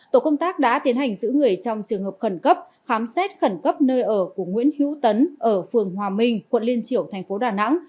tổ công tác đã tiến hành giữ người trong trường hợp khẩn cấp khám xét khẩn cấp nơi ở của nguyễn hữu tấn ở phường hòa minh quận liên triểu thành phố đà nẵng